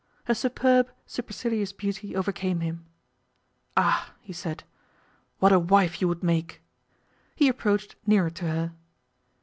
Her superb, supercilious beauty overcame him. 'Ah!' he said, 'what a wife you would make!' He approached nearer to her.